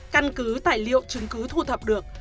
căn cứ tài liệu chứng cứ thu thập được